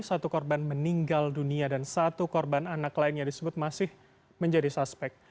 satu korban meninggal dunia dan satu korban anak lainnya disebut masih menjadi suspek